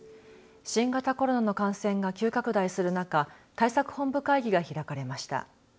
新型コロナの感染が急拡大する中対策本部会議が開かれました。